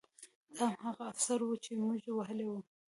دا هماغه افسران وو چې موږ وهلي وو